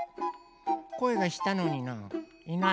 こえがしたのにな。